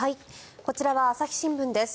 こちらは朝日新聞です。